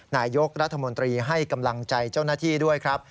นายกรัฐมนตรีให้กำลังใจเจ้าหน้าที่ด้วยครับ